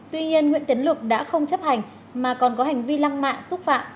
tuy nhiên nguyễn tiến lực đã không chấp hành mà còn có hành vi lăng mạ xúc phạm